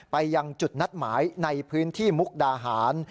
ไปยังจุดนัดหมายในพื้นที่มุกดาหาร